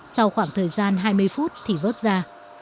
sau khoảng thời gian hai mươi phút thì vớt ra